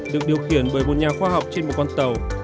được điều khiển bởi một nhà khoa học trên một con tàu